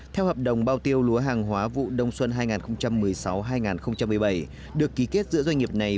theo hợp đồng bao tiêu lúa hàng hóa vụ đông xuân hai nghìn một mươi sáu hai nghìn một mươi bảy được ký kết giữa doanh nghiệp này